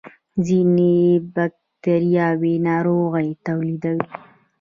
ځینې بکتریاوې ناروغۍ تولیدوي